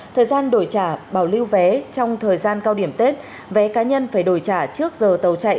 thời gian đổi trả bảo lưu vé trong thời gian cao điểm tết vé cá nhân phải đổi trả trước giờ tàu chạy